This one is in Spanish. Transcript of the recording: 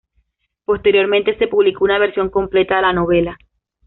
Posteriormente se publicó una versión completa de la novela.